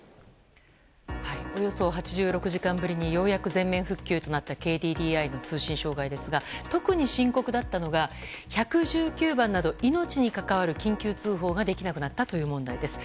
およそ８６時間ぶりにようやく全面復旧となったＫＤＤＩの通信障害ですが特に深刻だったのが１１９番など命に関わる緊急通報ができなくなったという問題です。